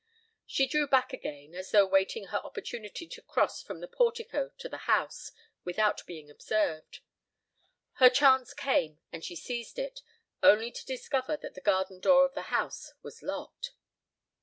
She drew back again, as though waiting her opportunity to cross from the portico to the house without being observed. Her chance came and she seized it, only to discover that the garden door of the house was locked.